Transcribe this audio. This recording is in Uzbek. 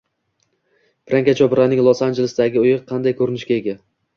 Priyanka Chopraning Los-Anjelesdagi uyi qanday ko‘rinishga ega?